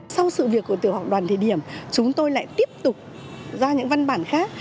sau sự việc của tỉa học đoàn thế điểm chúng tôi lại tiếp tục ra những văn bản khác